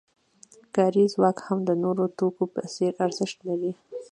کاري ځواک هم د نورو توکو په څېر ارزښت لري